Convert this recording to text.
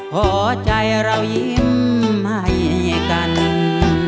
เพราะใจเรายิ้มใหม่กัน